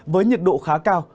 với nhiệt độ khá cao